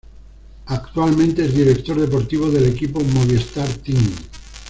Actualmente, es director deportivo del equipo Movistar Team.